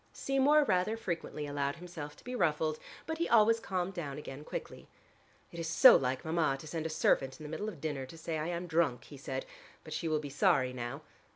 Seymour rather frequently allowed himself to be ruffled, but he always calmed down again quickly. "It is so like Mama to send a servant in the middle of dinner to say I am drunk," he said, "but she will be sorry now.